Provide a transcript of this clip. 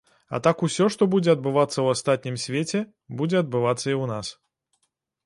А так усё, што будзе адбывацца ў астатнім свеце, будзе адбывацца і ў нас.